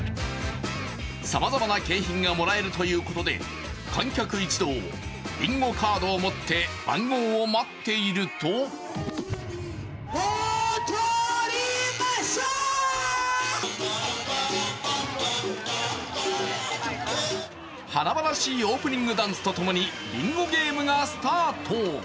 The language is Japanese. さまざまな景品がもらえるということで、観客一同、ビンゴカードを持って番号を待っていると華々しいオープニングダンスとともにビンゴゲームがスタート。